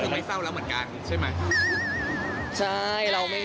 ของเราก็คือไม่เศร้าแล้วเหมือนกันใช่ไหม